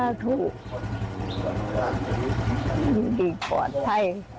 ห่วงลูกบ้างฟะ